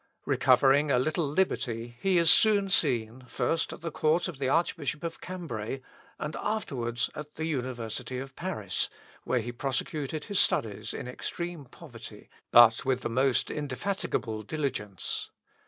Recovering a little liberty, he is soon seen, first at the Court of the Archbishop of Cambray, and afterwards at the University of Paris, where he prosecuted his studies in extreme poverty, but with the most indefatigable diligence.